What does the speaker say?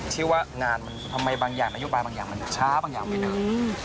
ชื่อว่างานมันทำไมบางอย่างนโยบายบางอย่างมันช้าบางอย่างไปเดิน